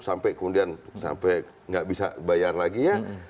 sampai kemudian sampai nggak bisa bayar lagi ya